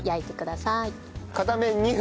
片面２分。